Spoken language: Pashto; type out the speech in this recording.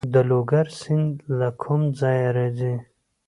د لوګر سیند له کوم ځای راځي؟